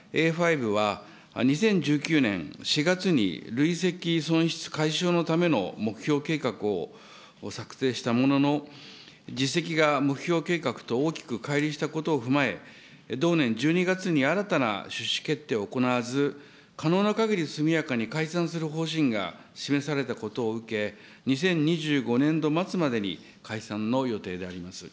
こうした取り組みを通じ、例えばＡファイブは２０１９年４月に累積損失解消のための目標計画を策定したものの、実績が目標計画と大きくかい離したことを踏まえ、同年１２月に新たな決定を行わず、可能なかぎり速やかに解散する方針が示されたことを受け、２０２５年度末までに解散の予定であります。